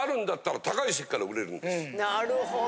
なるほど。